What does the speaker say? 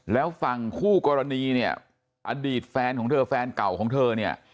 แล้วฟังขู่กรณีนี่อดีตแฟนของเธอเก่าของเธอ